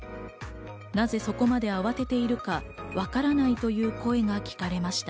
なぜそこまで慌てているかわからないという声が聞かれました。